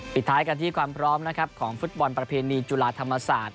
ปิดท้ายกันที่ความพร้อมนะครับของฟุตบอลประเพณีจุฬาธรรมศาสตร์